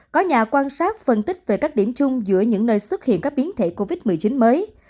có nhà quan sát phân tích về các điểm chung giữa những nơi xuất hiện các biến thể covid một mươi chín mới